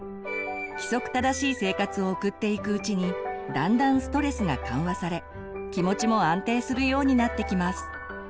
規則正しい生活を送っていくうちにだんだんストレスが緩和され気持ちも安定するようになってきます。